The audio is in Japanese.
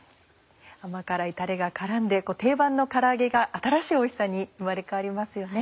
甘辛いタレが絡んで定番のから揚げが新しいおいしさに生まれ変わりますよね。